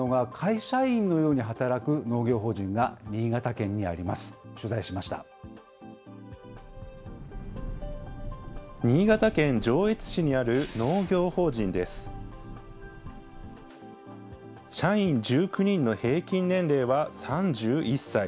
社員１９人の平均年齢は３１歳。